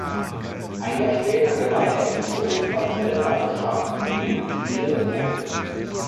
Ein Jahr später gewann er im Stoßen bei den Weltmeisterschaften in Lille die Silbermedaille.